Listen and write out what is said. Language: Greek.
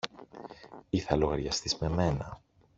ή θα λογαριαστείς με μένα.